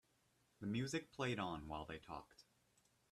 The music played on while they talked.